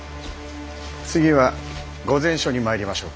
次はご膳所に参りましょうか。